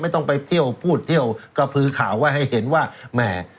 ต้องไปเที่ยวพูดเที่ยวกระพือข่าวไว้ให้เห็นว่าแหม่